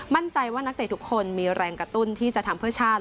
มั่นใจว่านักเตะทุกคนมีแรงกระตุ้นที่จะทำเพื่อชาติ